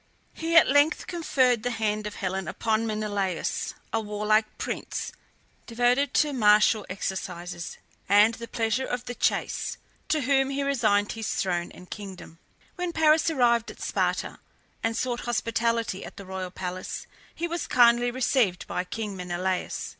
He at length conferred the hand of Helen upon Menelaus, a warlike prince, devoted to martial exercises and the pleasures of the chase, to whom he resigned his throne and kingdom. When Paris arrived at Sparta, and sought hospitality at the royal palace, he was kindly received by king Menelaus.